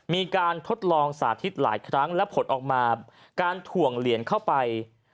มีการทดลองสาธิตหลายครั้งและผลออกมาการถ่วงเหรียญเข้าไป